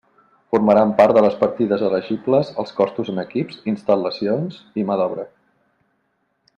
Formaran part de les partides elegibles els costos en equips, instal·lacions i mà d'obra.